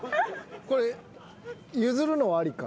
これ譲るのはありかな？